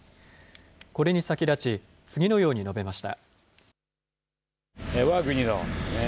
これに先立ち、次のように述べました。